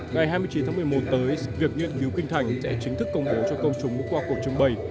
ngày hai mươi chín tháng một mươi một tới việc nghiên cứu kinh thành sẽ chính thức công bố cho công chúng qua cuộc trưng bày